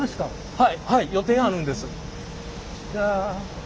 はい。